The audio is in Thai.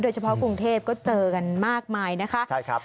โดยเฉพาะกรุงเทพก็เจอกันมากมายนะคะ